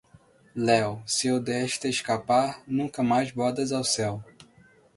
léu, Se eu desta escapar, Nunca mais bodas ao céu...”